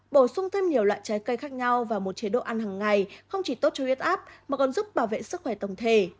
bổ sung thêm nhiều loại trái cây khác nhau vào một chế độ ăn hàng ngày không chỉ tốt cho huyết áp mà còn giúp bảo vệ sức khỏe tổng thể